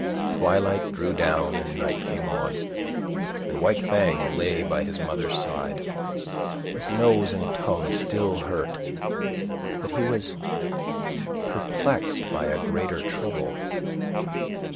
Twilight drew down and night came on, and White Fang lay by his mother's side. His nose and tongue still hurt, but he was perplexed by a greater trouble.